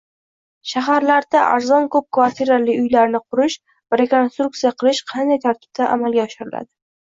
Shaharlarda arzon ko‘p kvartirali uylarni qurish va rekonstruksiya qilish qanday tartibda amalga oshiriladi?